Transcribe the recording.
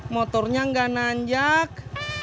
motornya gak nanjak